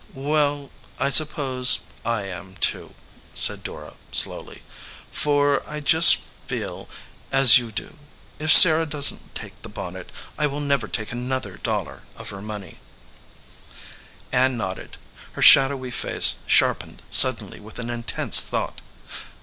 "Well, I suppose I am, too," said Dora slowly, "for I feel just as you do. If Sarah doesn t take the bonnet, I will never take another dollar of her money." Ann nodded. Her shadowy face sharpened sud denly with an intense thought.